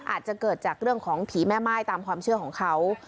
อาจจะเกิดจากเรื่องของผีแม่ม่ายตามความเชื่อของเขา